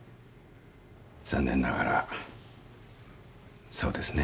残念ながらそうですね。